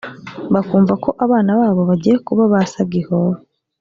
bakumva ko abana babo bagiye kuba ba “sagihobe”